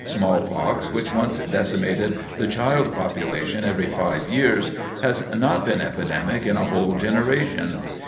Smallpox, which once decimated the child population every five years, has not been epidemic in a whole generation.